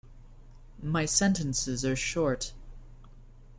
My sentences are short.